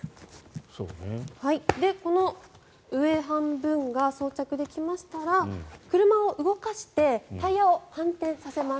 この上半分が装着できましたら車を動かしてタイヤを反転させます。